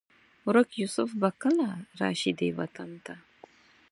ورک یوسف به کله؟ راشي دې وطن ته